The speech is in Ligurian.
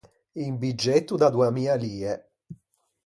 Un biggetto da doa mia lie.